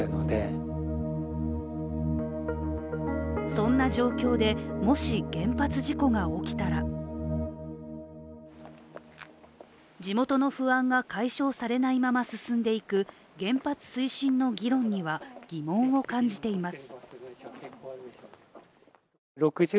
そんな状況で、もし原発事故が起きたら地元の不安が解消されないまま進んでいく原発推進の議論には疑問を感じています。